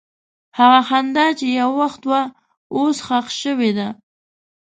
هغه خندا چې یو وخت وه، اوس ښخ شوې ده.